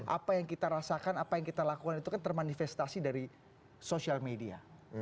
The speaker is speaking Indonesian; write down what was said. apa yang kita rasakan apa yang kita lakukan itu kan termanifestasi dari sosial media